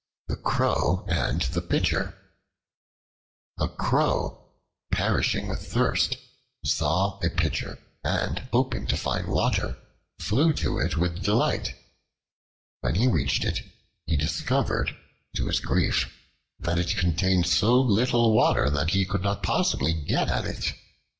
The Crow and the Pitcher A CROW perishing with thirst saw a pitcher, and hoping to find water, flew to it with delight. When he reached it, he discovered to his grief that it contained so little water that he could not possibly get at it.